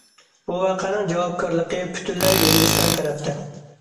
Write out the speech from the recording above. بۇ ۋەقەنىڭ جاۋابكارلىقى پۈتۈنلەي ھىندىستان تەرەپتە.